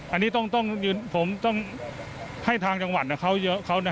อันนี้ผมต้องให้ทางจังหวัดเขาเยอะ